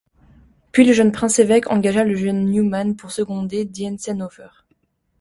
Puis le prince évêque engagea le jeune Neumann pour seconder Dientzenhofer.